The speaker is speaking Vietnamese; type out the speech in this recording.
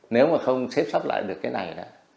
nếu mà không xếp sắp lại được cái này